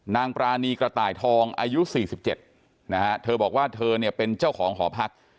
ปรานีกระต่ายทองอายุ๔๗นะฮะเธอบอกว่าเธอเนี่ยเป็นเจ้าของหอพัก